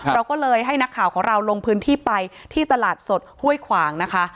เราก็เลยให้นักข่าวของเราลงพื้นที่ไปที่ตลาดสดห้วยขวางนะคะ